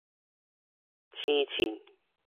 生凊